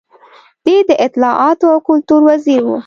دی د اطلاعاتو او کلتور وزیر و.